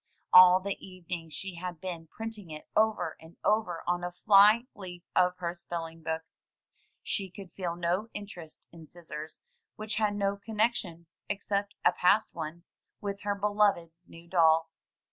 All the evening she had been printing it over and over on a fly leaf of her spelling book. She could feel no interest in scissors, which had no connection, except a past one, with her beloved new doll.